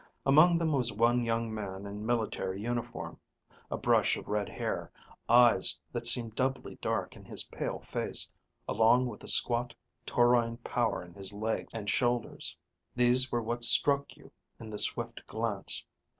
Among them was one young man in military uniform. A brush of red hair, eyes that seemed doubly dark in his pale face, along with a squat, taurine power in his legs and shoulders; these were what struck you in the swift glance.